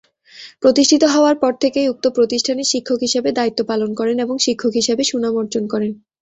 প্রতিষ্ঠিত হওয়ার পর থেকেই উক্ত প্রতিষ্ঠানের শিক্ষক হিসেবে দায়িত্ব পালন করেন এবং শিক্ষক হিসেবে সুনাম অর্জন করেন।